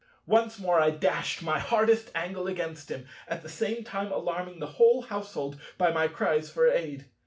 Once more I dashed my hardest angle against him, at the same time alarming the whole household by my cries for aid.